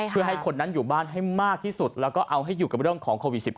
เพื่อให้คนนั้นอยู่บ้านให้มากที่สุดแล้วก็เอาให้อยู่กับเรื่องของโควิด๑๙